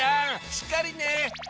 しっかりね！